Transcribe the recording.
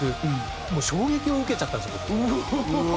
もう衝撃を受けちゃったんです僕。